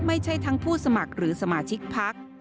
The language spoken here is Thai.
ไม่ใช่ทั้งผู้สมัครหรือสมาชิกพัก